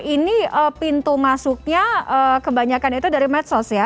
ini pintu masuknya kebanyakan itu dari medsos ya